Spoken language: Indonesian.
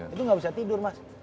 itu nggak bisa tidur mas